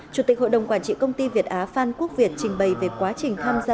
chủ tịch hội đồng quản trị công ty việt á phan quốc việt trình bày về quá trình tham gia